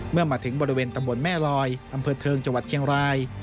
เมื่อมาถึงบริเวณตำบลแม่ลอยอำเภอเทิงจังหวัดเชียงราย